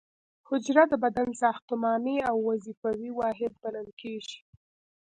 حجره د بدن ساختماني او وظیفوي واحد بلل کیږي